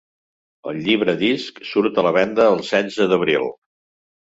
El llibre-disc surt a la venda el setze d’abril.